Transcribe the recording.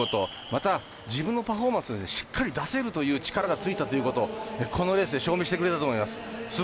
また、自分のパフォーマンスをしっかり出せるという力がついたということをこのレースで証明してくれたと思います。